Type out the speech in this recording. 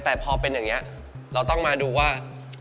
แต่พอเป็นอย่างนี้เราต้องมาดูว่า